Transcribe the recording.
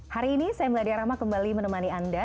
hari ini saya meladia rahma kembali menemani anda